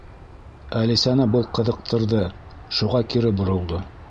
Әлисәне был ҡыҙыҡтырҙы, шуға кире боролдо.